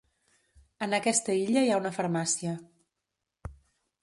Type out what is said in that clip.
En aquesta illa hi ha una farmàcia.